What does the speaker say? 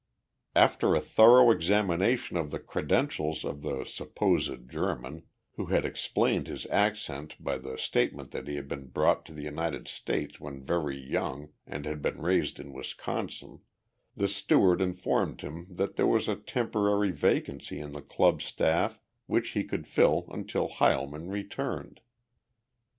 After a thorough examination of the credentials of the supposed German who had explained his accent by the statement that he had been brought to the United States when very young and had been raised in Wisconsin the steward informed him that there was a temporary vacancy in the Club staff which he could fill until Heilman returned.